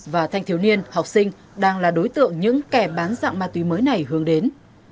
và thanh thiếu niên học sinh đang là đối tượng những kẻ bán dạng ma túy mới này hướng đến